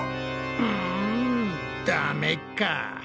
うんダメか。